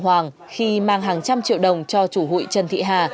hoàng khi mang hàng trăm triệu đồng cho chủ hụi trần thị hà